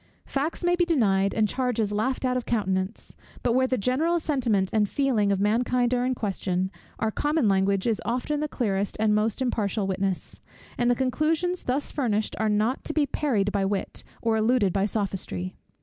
Facts may be denied, and charges laughed out of countenance: but where the general sentiment and feeling of mankind are in question, our common language is often the clearest and most impartial witness; and the conclusions thus furnished, are not to be parried by wit, or eluded by sophistry.